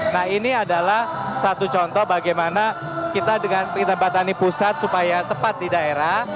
nah ini adalah satu contoh bagaimana kita dengan kita batani pusat supaya tepat di daerah